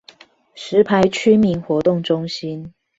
石牌區民活動中心